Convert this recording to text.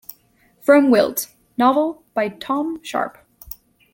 From Wilt, novel by Tom Sharpe.